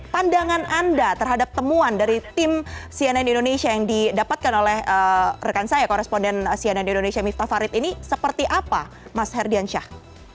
pandangan anda terhadap temuan dari tim cnn indonesia yang didapatkan oleh rekan saya koresponden cnn indonesia miftah farid ini seperti apa mas herdiansyah